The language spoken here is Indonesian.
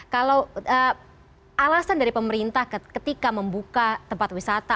kalau alasan dari pemerintah ketika membuka tempat wisata